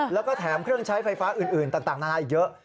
แล้วก็แถมเครื่องใช้ไฟฟ้าอื่นต่างนานาอีกเยอะ